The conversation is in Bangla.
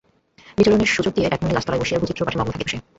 বিচরণের সুযোগ দিয়া একমনে গাছতলায় বসিয়া ভুচিত্র পাঠে মগ্ন থাকিত-সে।